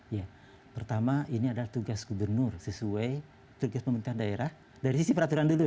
ya pertama ini adalah tugas gubernur sesuai tugas pemerintah daerah dari sisi peraturan dulu